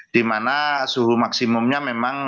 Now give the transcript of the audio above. dimana suhu maksimumnya memang